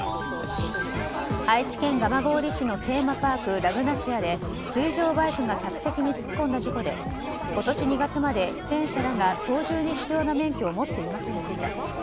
愛知県蒲郡市のテーマパークラグナシアで水上バイクが客席に突っ込んだ事故で今年２月まで出演者らが操縦に必要な免許を持っていませんでした。